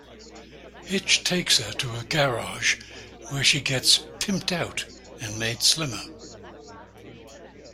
Hitch takes her to a garage where she gets "pimped out" and made slimmer.